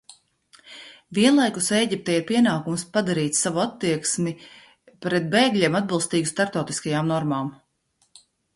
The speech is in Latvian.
Vienlaikus Ēģiptei ir pienākums padarīt savu attieksmi pret bēgļiem atbilstīgu starptautiskajām normām.